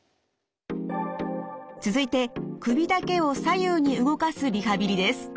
続いて首だけを左右に動かすリハビリです。